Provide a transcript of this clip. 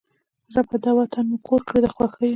ربه! دا وطن مو کور کړې د خوښیو